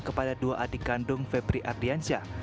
kepada dua adik kandung febri ardiansyah